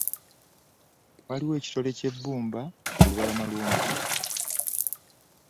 Waaliwo ekitole ky'ebbumba ku lubalama lw'omugga.